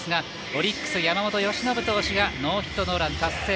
オリックス山本由伸投手ノーヒットノーラン達成